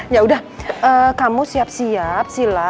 yaudah kamu siap siap sila